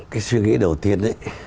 cái suy nghĩ đầu tiên ấy